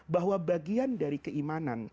bahwa bagian dari keimanan